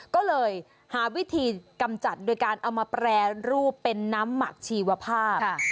ก็เลยหาวิธีกำจัดโดยการเอามาแปรรูปเป็นน้ำหมักชีวภาพ